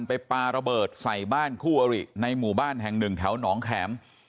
ปลาระเบิดใส่บ้านคู่อริในหมู่บ้านแห่งหนึ่งแถวหนองแข็ม